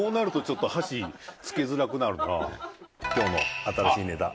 今日も新しいネタ。